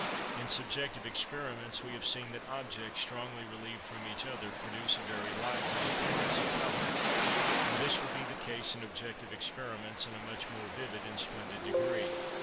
In subjective experiments we have seen that objects strongly relieved from each other produce a very lively appearance of colour, and this will be the case in objective experiments in a much more vivid and splendid degree.